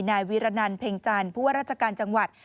นายวีรนันเพ็งจันทร์ผู้ว่าราชการจังหวัด